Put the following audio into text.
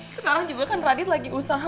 sekarang juga kan radit lagi usaha